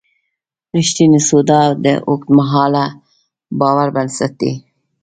رښتینې سودا د اوږدمهاله باور بنسټ دی.